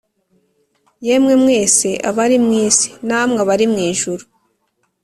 yemwe mwese abari mu isi, namwe abari mw ijuru,